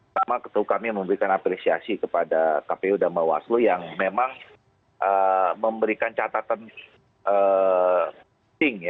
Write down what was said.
pertama kami memberikan apresiasi kepada kpu dan mawaslu yang memang memberikan catatan